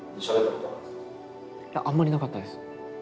いやあんまりなかったです。